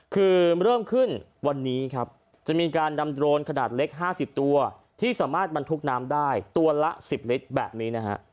คือเริ่มขึ้นวันนี้ครับจะมีการนำโดรนขนาดเล็ก๕๐ตัวที่สามารถบรรทุกน้ำได้ตัวละ๑๐ลิตรแบบนี้นะฮะ